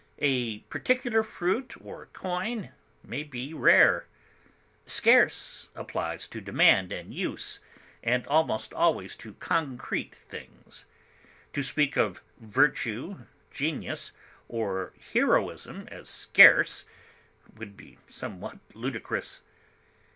A particular fruit or coin may be rare; scarce applies to demand and use, and almost always to concrete things; to speak of virtue, genius, or heroism as scarce would be somewhat ludicrous.